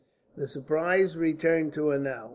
The surprise returned to her now.